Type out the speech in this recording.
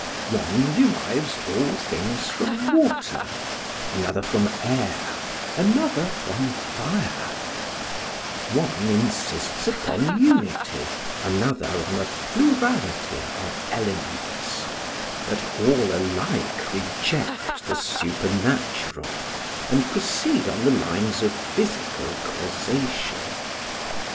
One derives all things from water, another from air, another from fire; one insists upon unity, another on a plurality of elements; but all alike reject the supernatural, and proceed on the lines of physical causation.